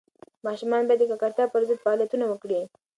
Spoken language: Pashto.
ماشومان باید د ککړتیا پر ضد فعالیتونه وکړي.